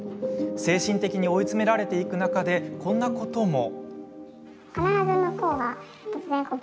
精神的に追い詰められていく中でこんなことも。